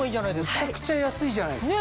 むちゃくちゃ安いじゃないですか。